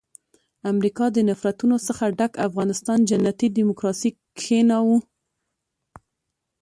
امریکا د نفرتونو څخه ډک افغانستان جنتي ډیموکراسي کښېناوه.